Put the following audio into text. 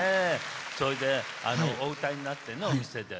それで、お歌いになって、お店で。